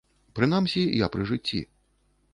Прынамсі я пры жыцці.